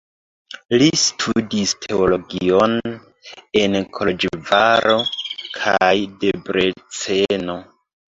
Li studis teologion en Koloĵvaro kaj Debreceno.